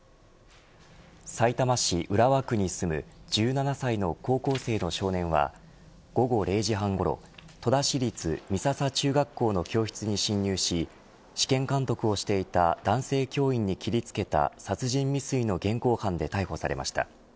さいたま市浦和区に住む１７歳の高校生の少年は午後０時半ごろ戸田市立美笹中学校の教室に侵入し試験監督をしていた男性教員に切りつけた殺人未遂の現行犯で逮捕されました。